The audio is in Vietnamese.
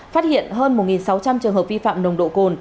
phát hiện hơn một sáu trăm linh trường hợp vi phạm nồng độ cồn